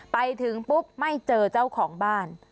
ไปถึงปุ๊บไม่เจอเจ้าของบ้าน